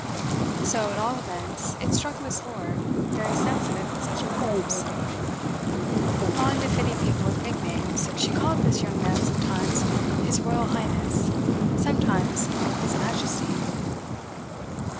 So, at all events, it struck Miss. Lord, very sensitive in such matters. Fond of fitting people with nicknames, she called this young man sometimes 'His Royal Highness,' sometimes 'His Majesty.